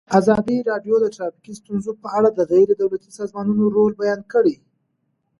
ازادي راډیو د ټرافیکي ستونزې په اړه د غیر دولتي سازمانونو رول بیان کړی.